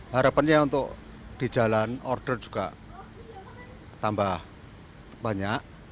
harapannya untuk di jalan order juga tambah banyak